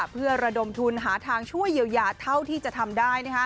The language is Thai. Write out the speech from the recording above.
เพื่อระดมทุนหาทางช่วยเยียวยาเท่าที่จะทำได้